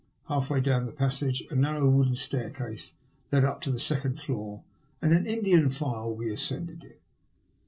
Half way down the passage a narrow wooden staircase led up to the second floor, and in Indian file we ascended it.